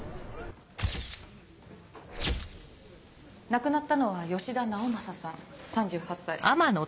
亡くなったのは吉田直政さん３８歳。